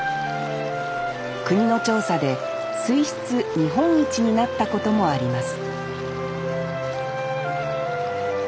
国の調査で水質日本一になったこともあります